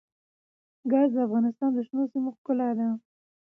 ګاز د افغانستان د شنو سیمو ښکلا ده.